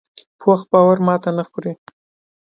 پوخ باور ماتې نه خوري